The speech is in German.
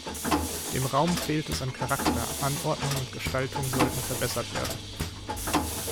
Dem Raum fehlt es an Charakter Anordnung und Gestaltung sollten verbessert werden.